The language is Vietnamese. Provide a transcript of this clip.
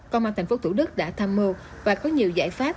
công an tp thủ đức đã tham mưu và có nhiều giải pháp